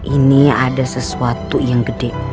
ini ada sesuatu yang gede